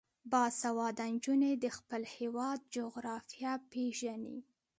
باسواده نجونې د خپل هیواد جغرافیه پیژني.